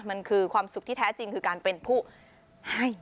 มันคือความสุขที่แท้จริงคือการเป็นผู้ให้